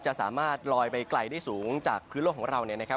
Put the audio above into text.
จะสามารถลอยไปไกลได้สูงจากพื้นโลกของเราเนี่ยนะครับ